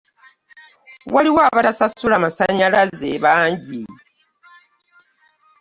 Waliwo abatasasula masannyalaze bangi.